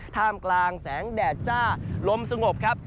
ท่ามกลางแสงแดดจ้าลมสงบครับ